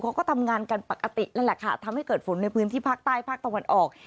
เขาก็ทำงานกันปกตินั่นแหละค่ะทำให้เกิดฝนในพื้นที่ภาคใต้ภาคตะวันออก